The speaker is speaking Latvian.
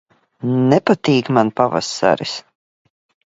Nepatīk man pavasaris.